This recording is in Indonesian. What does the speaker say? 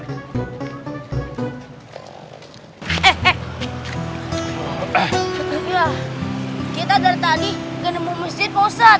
kita dari tadi gak nemu masjid pak ustadz